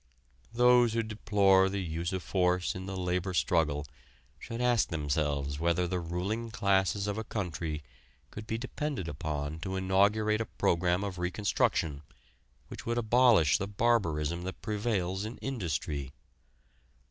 Those who deplore the use of force in the labor struggle should ask themselves whether the ruling classes of a country could be depended upon to inaugurate a program of reconstruction which would abolish the barbarism that prevails in industry.